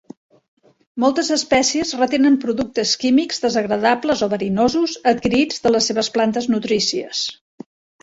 Moltes espècies retenen productes químics desagradables o verinosos adquirits de les seves plantes nutrícies.